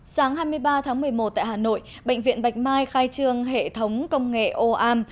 sáng hai mươi ba tháng một mươi một tại hà nội bệnh viện bạch mai khai trương hệ thống công nghệ oam